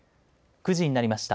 ９時になりました。